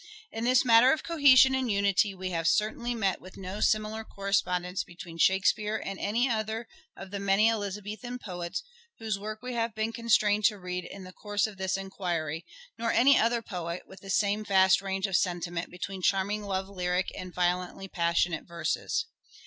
In this matter of cohesion and unity we have certainly met with no similar correspondence between Shakespeare and any other of the many Elizabethan poets whose work we have been constrained to read in the course of this enquiry, nor any other poet with the same vast range of sentiment between charming love lyric and violently passionate verses.